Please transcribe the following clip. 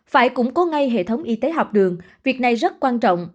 phải củng cố ngay hệ thống y tế học đường việc này rất quan trọng